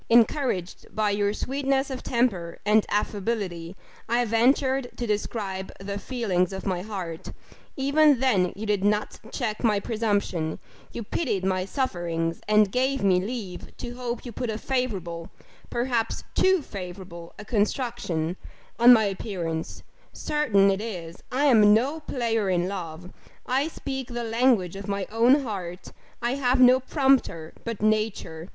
encouraged by your sweetness of temper and affability, I ventured to describe the feelings of my heart even then you did not check my presumption you pitied my sufferings and gave me leave to hope you put a favourable perhaps too favourable a construction, on my appearance certain it is, I am no player in love I speak the language of my own heart; and have no prompter but nature.